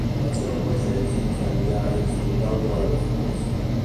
El seu vaixell s'incendià i explotà una hora després.